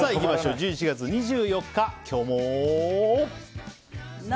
１１月２４日、今日も。